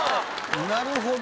なるほど。